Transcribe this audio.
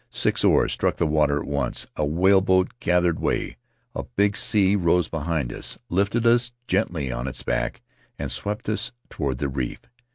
Six oars struck the water at once; the whale boat gathered way; a big sea rose behind us, lifted us gently on its back, and swept us toward the reef.